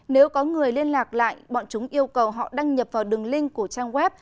nếu có người liên lạc lại bọn chúng yêu cầu họ đăng nhập vào đường link của trang web